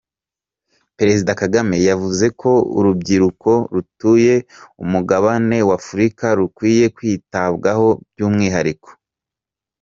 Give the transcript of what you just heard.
Parezida Kagame yavuze ko urubyiruko rutuye umugabane wa Afurika rukwiye kwitabwaho by’umwihariko.